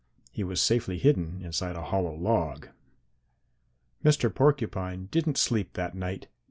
He was safely hidden inside a hollow log. "Mr. Porcupine didn't sleep that night.